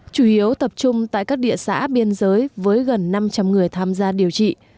chủ yếu tập trung tại các địa xã biên giới với gần năm trăm linh người tham gia điều trị